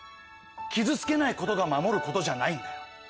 傷つけないことが守ることじゃないんだよ。